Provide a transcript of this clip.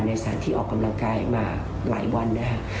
ในสถานที่ออกกำลังกายมาหลายวันนะครับ